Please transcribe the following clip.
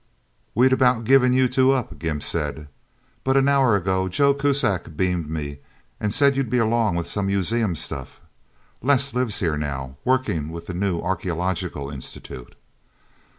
"We'd about given you two up," Gimp said. "But an hour ago Joe Kuzak beamed me, and said you'd be along with some museum stuff... Les lives here, now, working with the new Archeological Institute."